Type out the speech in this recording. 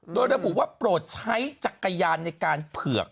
โดยระบุว่าโปรดใช้จักรยานในการเผือก